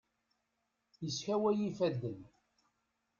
Yeskaway ifaden.